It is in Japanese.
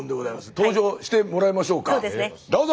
登場してもらいましょうかどうぞ！